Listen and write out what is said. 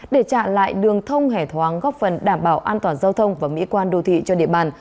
để trả lại đường thông hẻ thoáng góp phần đảm bảo an toàn giao thông và mỹ quan đô thị cho địa bàn